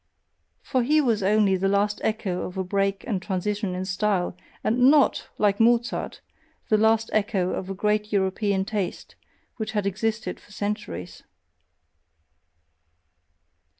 For he was only the last echo of a break and transition in style, and NOT, like Mozart, the last echo of a great European taste which had existed for centuries.